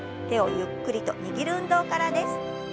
手をゆっくりと握る運動からです。